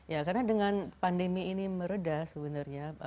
ya karena dengan pandemi ini meredah sebenarnya